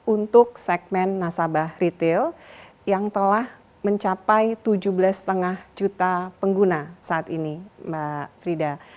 untuk segmen nasabah retail yang telah mencapai tujuh belas lima juta pengguna saat ini mbak frida